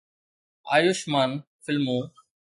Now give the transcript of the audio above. Ayushmann فلمون